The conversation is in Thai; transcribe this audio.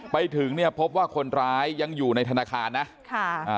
ไปถึงเนี่ยพบว่าคนร้ายยังอยู่ในธนาคารนะค่ะอ่า